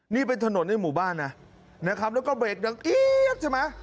นี่เป็นถนนในหมู่บ้านนะนะครับแล้วก็เบรกดังเอี๊ดใช่ไหม